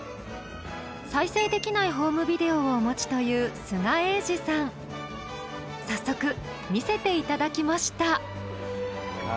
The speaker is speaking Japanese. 再生できないホームビデオをお持ちという早速見せて頂きました。